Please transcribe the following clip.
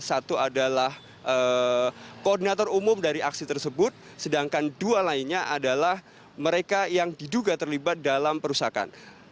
satu adalah koordinator umum dari aksi tersebut sedangkan dua lainnya adalah mereka yang diduga terlibat dalam perusahaan